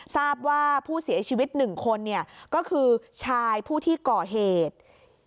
ทราบว่าผู้เสียชีวิต๑คนก็คือชายผู้ที่ก่อเหตุ